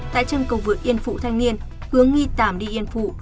tại chân cầu vượt yên phụ thanh niên hướng nghi tảm đi yên phụ